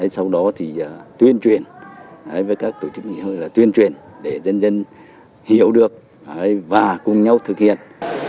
sau đó thì tuyên truyền với các tổ chức nghỉ hội là tuyên truyền để dân dân hiểu được và cùng nhau thực hiện